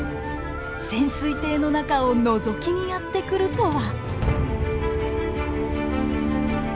潜水艇の中をのぞきにやって来るとは。